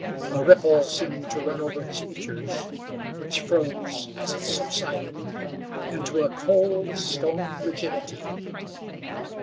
A ripple seemed to run over his features, which froze, as it subsided, into a cold, stone rigidity.